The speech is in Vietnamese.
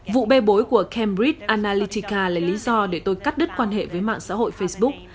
vụ bê bối của cambridg analytica là lý do để tôi cắt đứt quan hệ với mạng xã hội facebook